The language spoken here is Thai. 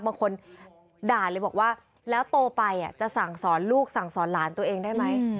บางคนด่าเลยบอกว่าแล้วโตไปจะสั่งสอนลูกสั่งสอนหลานตัวเองได้ไหม